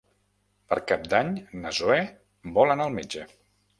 Per Cap d'Any na Zoè vol anar al metge.